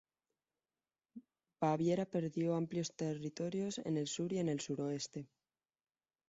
Baviera perdió amplios territorios en el sur y en el sureste.